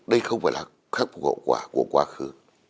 đây không phải là khắc phục hậu quả của quá khứ